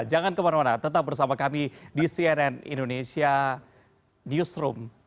jangan kemana mana tetap bersama kami di cnn indonesia newsroom